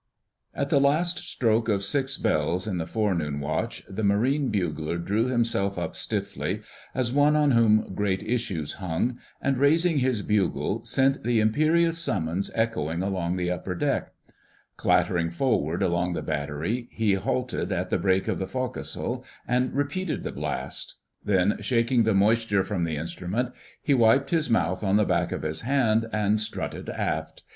* At the last stroke of six bells in the Forenoon Watch the Marine bugler drew himself up stiffly, as one on whom great issues hung, and raising his bugle sent the imperious summons echoing along the upper deck. Clattering forward along the battery he halted at the break of the forecastle and repeated the blast; then, shaking the moisture from the instrument, he wiped his mouth on the back of his hand and strutted aft.